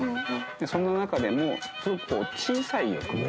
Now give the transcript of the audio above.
その中でもすごく小さい欲望。